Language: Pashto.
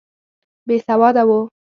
بېسواده وو.